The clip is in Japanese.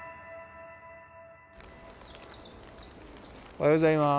おはようございます。